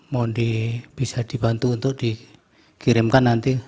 mohon bisa dibantu untuk dikirimkan nanti